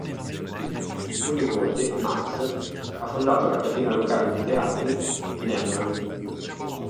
Un nipote, Max, ha fondato la catena locale di teatri Laemmle.